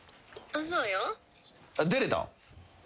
出れたの？